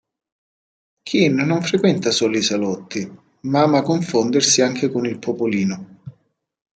Kean non frequenta solo i salotti, ma ama confondersi anche con il popolino.